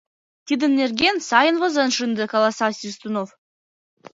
Тидын нерген сайын возен шынде, — каласа Свистунов.